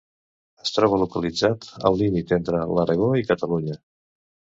Es troba localitzat al límit entre l'Aragó i Catalunya.